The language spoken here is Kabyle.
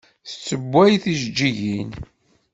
Tessewway tijeǧǧigin.